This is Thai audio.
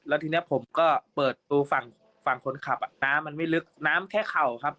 แล้วทีนี้ผมก็เปิดตัวฝั่งฝั่งคนขับน้ำมันไม่ลึกน้ำแค่เข่าครับ